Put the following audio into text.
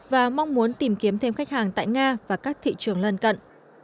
và mong muốn tìm kiếm thêm khách hàng tại nga và các thị trường lân cận